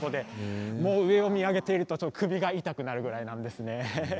上を見上げてると首が痛くなるくらいです。